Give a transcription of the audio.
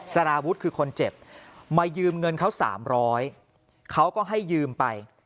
สารวุฒิคือคนเจ็บมายืมเงินเขา๓๐๐เขาก็ให้ยืมไป